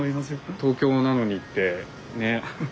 東京なのにってねっ。